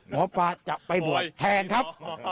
หมอปลาจะไปบวชแทนครับ